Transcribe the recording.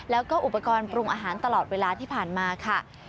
แล้วก็อุปกรณ์ปรุงอาหารตลอดเวลาที่ผ่านมาค่ะ